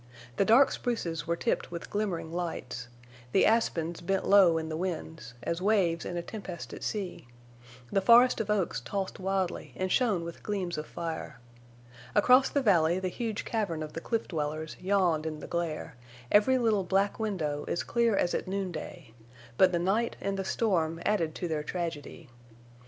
The dark spruces were tipped with glimmering lights; the aspens bent low in the winds, as waves in a tempest at sea; the forest of oaks tossed wildly and shone with gleams of fire. Across the valley the huge cavern of the cliff dwellers yawned in the glare, every little black window as clear as at noonday; but the night and the storm added to their tragedy.